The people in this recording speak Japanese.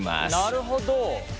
なるほど！